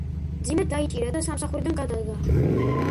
მძიმედ დაიჭირა და სამსახურიდან გადადგა.